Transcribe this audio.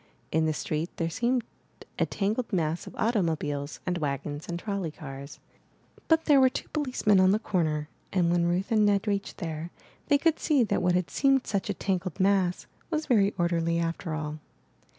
In the street there seemed a tangled mass of automobiles and wagons and trol ley cars. But there were two policemen on the cor ner, and when Ruth and Ned reached there, they could see that what had seemd such a tangled mass, 409 MY BOOK HOUSE was very orderly after all.